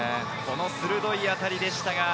鋭い当たりでした。